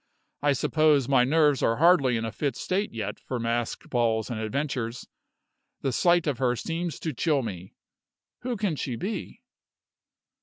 I suppose my nerves are hardly in a fit state yet for masked balls and adventures; the sight of her seems to chill me. Who can she be?"